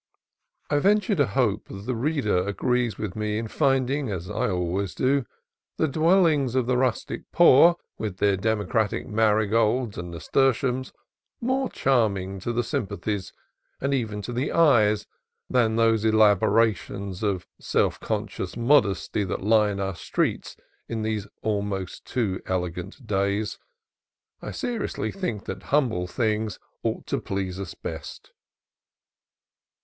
(I venture to hope that the reader agrees with me in finding, as I always do, the dwell ings of the rustic poor, with their democratic mari golds and nasturtiums, more charming to the sym pathies, and even to the eyes, than those elabora tions of self conscious modesty that line our streets in these almost too elegant days. I seriously think that humble things ought to please us best.)